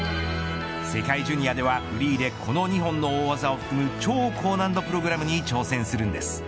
世界ジュニアではフリーでこの２本の大技を含む超高難度プログラムに挑戦するんです。